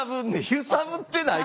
ゆさぶってない？